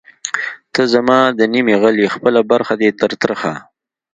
ته زما د نیمې غل ئې خپله برخه دی تر ترخه